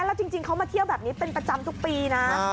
แล้วจริงเขามาเที่ยวแบบนี้เป็นประจำทุกปีนะ